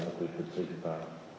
yang lebih bercerita